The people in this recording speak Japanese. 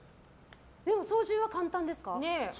でも操縦は簡単ですか？